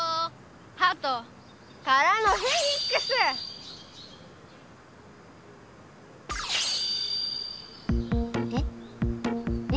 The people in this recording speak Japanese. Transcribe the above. はとからのフェニックス！え？え？